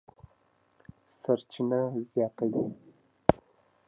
سرچینه زیاتوي